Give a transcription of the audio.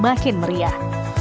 kesana semakin meriah